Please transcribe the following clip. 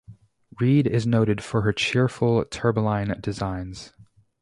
Rhead is noted for her cheerful tubelined designs.